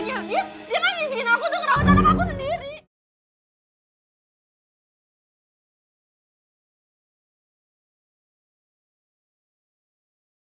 cynthia cynthia maksud kamu apa pakai trik trik kayak gini ya